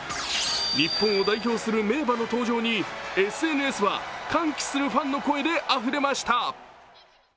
日本を代表する名馬の登場にＳＮＳは歓喜するファンの声であふれました。